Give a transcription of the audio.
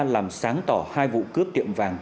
làm sáng tỏ hai vụ cướp tiệm vàng